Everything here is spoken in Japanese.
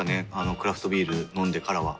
クラフトビール飲んでからは。